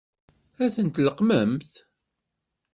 Ad ten-leqqment?